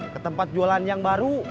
ke tempat jualan yang baru